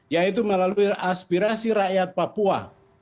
yaitu melalui aspirasi rakyat papua